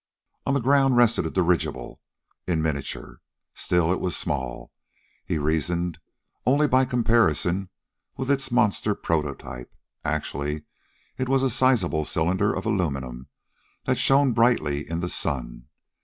On the ground rested a dirigible in miniature. Still, it was small, he reasoned, only by comparison with its monster prototype: actually it was a sizable cylinder of aluminum that shone brightly in the sun.